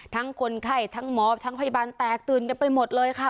คนไข้ทั้งหมอทั้งพยาบาลแตกตื่นกันไปหมดเลยค่ะ